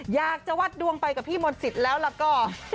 อยากจะวัดดวงไปกับพี่มนต์สิทธิ์แล้วแล้วก็